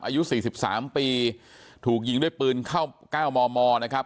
อายุ๔๓ปีถูกยิงด้วยปืนเข้า๙มมนะครับ